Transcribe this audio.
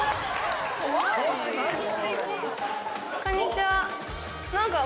こんにちは。